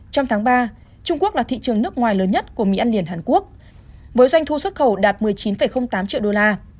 trong tháng ba trung quốc là thị trường nước ngoài lớn nhất của mỹ ăn liền hàn quốc với doanh thu xuất khẩu đạt một mươi chín tám triệu đô la